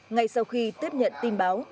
ngay sau khi tiếp nhận tin báo